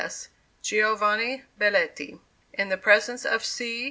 S.] GIOVANNI BELLETTI. In the presence of C.